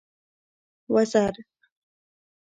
وزر.